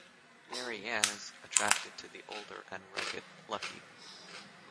Marianne is attracted to the older and rugged Lucky.